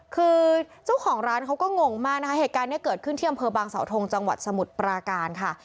คือเจ้าของร้านเขาก็งงมากนะคะเหตุการณ์นี้เกิดขึ้นที่อำเภอบางสาวทงจังหวัดสมุทรปราการค่ะ